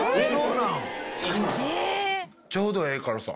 ちょうどええ辛さ。